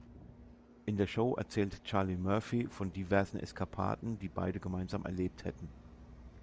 In der Show erzählt Charlie Murphy von diversen Eskapaden, die beide gemeinsam erlebt hätten.